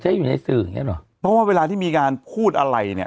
อยู่ในสื่ออย่างเงี้หรอเพราะว่าเวลาที่มีการพูดอะไรเนี่ย